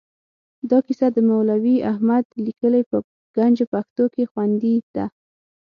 دا کیسه د مولوي احمد لیکلې په ګنج پښتو کې خوندي ده.